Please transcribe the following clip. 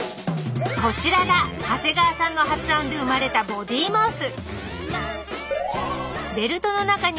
こちらが長谷川さんの発案で生まれた「ボディーマウス」！